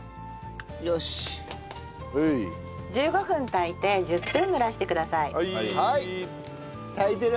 １５分炊いて１０分蒸らしてください。